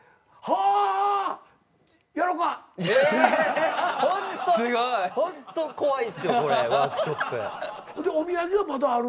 はい。